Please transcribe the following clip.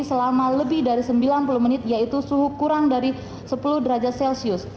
selama lebih dari sembilan puluh menit yaitu suhu kurang dari sepuluh derajat celcius